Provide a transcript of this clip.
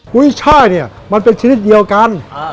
กุ้ยไช่เนี้ยมันเป็นชนิดเดียวกันอ่า